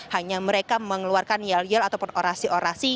hanya mereka mengeluarkan yel yel ataupun orasi orasi